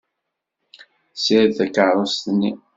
Ssired takeṛṛust-nni.